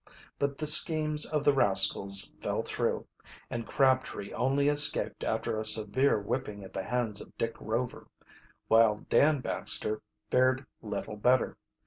But the schemes of the rascals fell through, and Crabtree only escaped after a severe whipping at the hands of Dick Rover, while Dan Baxter fared little better.